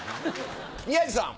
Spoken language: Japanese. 宮治さん。